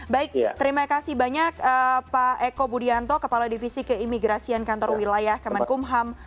baik terima kasih banyak pak eko budianto kepala divisi keimigrasian kantor wilayah kemenkumham